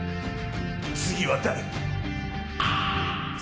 次は誰だ？